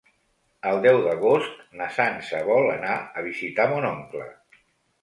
El deu d'agost na Sança vol anar a visitar mon oncle.